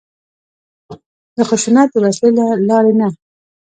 د خشونت د وسلې له لارې نه.